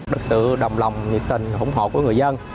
được sự đồng lòng nhiệt tình ủng hộ của người dân